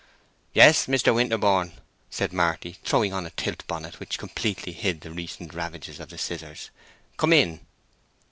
"Yes, Mr. Winterborne," said Marty, throwing on a tilt bonnet, which completely hid the recent ravages of the scissors. "Come in!"